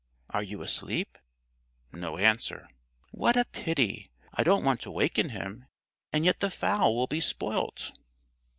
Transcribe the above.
"Are you asleep?" No answer. "What a pity! I don't want to waken him, and yet the fowl will be spoilt."